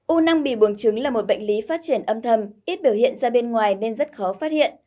u năng bị bụng trứng là một bệnh lý phát triển âm thầm ít biểu hiện ra bên ngoài nên rất khó phát hiện